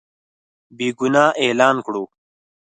بېګناه اعلان کړو.